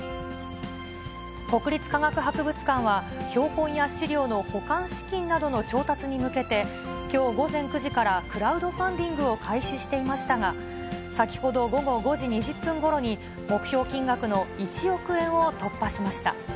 国立科学博物館は、標本や資料の保管資金などの調達に向けて、きょう午前９時から、クラウドファンディングを開始していましたが、先ほど午後５時２０分ごろに、目標金額の１億円を突破しました。